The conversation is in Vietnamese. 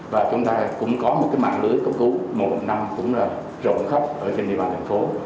và chúng ta cũng có một mạng lưới cấp cứu một năm cũng rộng khắp trên địa bàn thành phố